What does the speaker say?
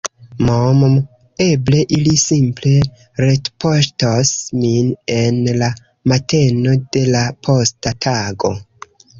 Mmm, eble ili simple retpoŝtos min en la mateno de la posta tago.